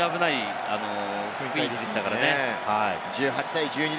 本当に危ないところでしたからね。